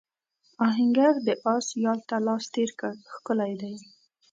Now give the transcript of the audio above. آهنګر د آس یال ته لاس تېر کړ ښکلی دی.